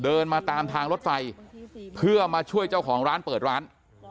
เดินมาตามทางรถไฟเพื่อมาช่วยเจ้าของร้านเปิดร้าน